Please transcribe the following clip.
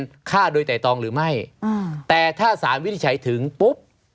ในประเด็นฆ่าโดยไตรตองหรือไม่แต่ถ้าศาลวินิจฉัยถึงปุ๊บ